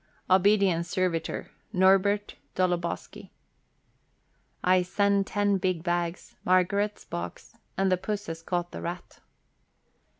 " Obediens Servitor, " NORBEKT DOLOBOSKI." " I send ten big bags, Margaret's box, and the puss has caught the rat."